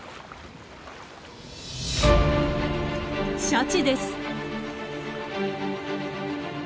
シャチです。